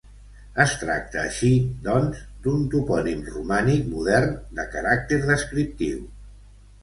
Es tracta així, doncs, d'un topònim romànic modern, de caràcter descriptiu.